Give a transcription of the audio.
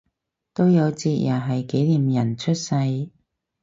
都有節日係紀念人出世